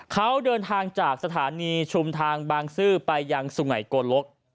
เขาเดินทางจากสถานีชุมทางบางซื่อไปยังสุงัยโกลก